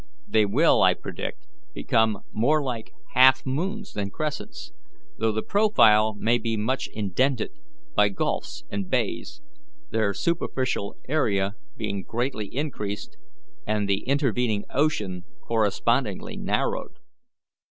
They will, I predict, become more like half moons than crescents, though the profile may be much indented by gulfs and bays, their superficial area being greatly increased, and the intervening ocean correspondingly narrowed.